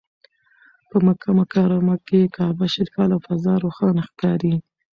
په مکه مکرمه کې کعبه شریفه له فضا روښانه ښکاري.